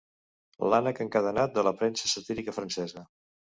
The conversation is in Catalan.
L'ànec encadenat de la premsa satírica francesa.